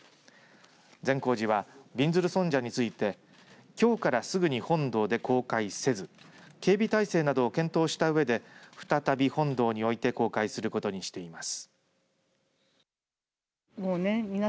善光寺はびんずる尊者についてきょうからすぐに本堂で公開せず警備体制などを検討したうえで再び本堂に置いて公開することにしています。